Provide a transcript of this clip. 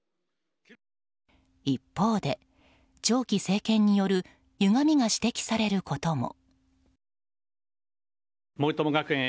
一方で長期政権によるゆがみが指摘されることも。